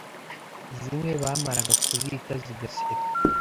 Zimwe bamaraga kuzita zigaseka